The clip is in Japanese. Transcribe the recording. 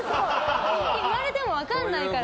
言われても分からないから。